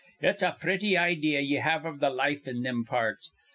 It's a pretty idee ye have iv th' life in thim parts.